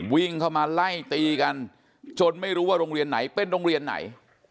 วิ่งเข้ามาไล่ตีกันจนไม่รู้ว่าโรงเรียนไหนเป็นโรงเรียนไหน